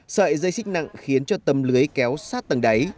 sợi dây xích nặng khiến cho tầm lưới kéo sát tầng đáy